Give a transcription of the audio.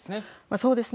そうですね。